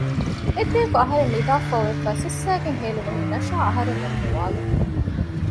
އެއްރެއަކު އަހަރެން ނިދާފައި އޮވެފައި ސިއްސައިގެން ހޭލެވުނީ ނަޝާ އަހަރެންނަށް ގޮވާލުމުން